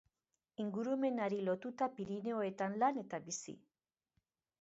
Ingurumenari lotuta Pirinioetan lan eta bizi.